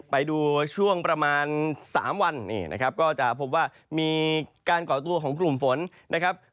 ไปดูช่วงประมาณ๓วันนี้นะครับก็จะพบว่ามีการก่อตัวของกลุ่มฝนนะครับ